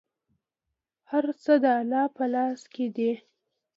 هر څه د الله په لاس کې دي.